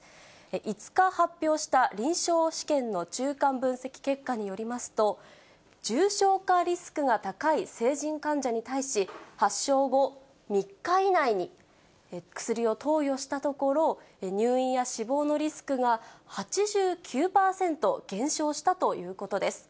５日発表した臨床試験の中間分析結果によりますと、重症化リスクが高い成人患者に対し、発症後３日以内に薬を投与したところ、入院や死亡のリスクが８９％減少したということです。